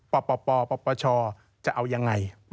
ปปชจะเอายังไง